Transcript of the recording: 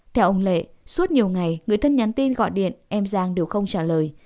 theo ông lệ suốt nhiều ngày người thân nhắn tin gọi điện em giang đều không trả lời